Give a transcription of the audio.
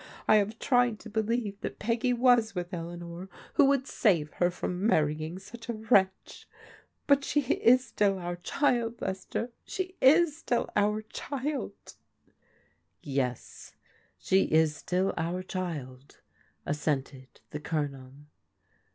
I have tried to believe that Peggy was with Elea nor, who would save her from marrying such a wretch. But she is still our child, Lester — she is still our child "*' Yes, she is still our child," assented the Colonel.